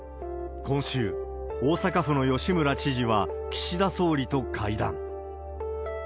今週、大阪府の吉村知事は岸田総理と会談。